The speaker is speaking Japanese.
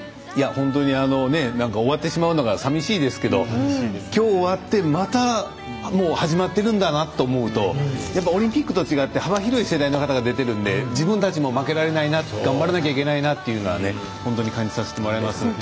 本当に終わってしまうのが寂しいですけどきょう終わってまた始まってるんだなと思うとやっぱ、オリンピックと違って幅広い世代の方が出ているので自分たちも負けられないな頑張らなきゃいけないというのは本当に感じさせてもらいます。